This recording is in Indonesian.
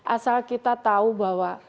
asal kita tahu bahwa